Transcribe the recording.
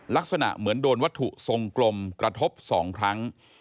ลักษณะเหมือนโดนวัตถุทรงกลมกระทบ๒ครั้ง